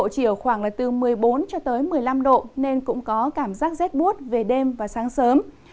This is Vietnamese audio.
chỉ ở khoảng là từ một mươi bốn cho tới một mươi năm độ nên cũng có cảm giác rét bút về đêm và sáng sớm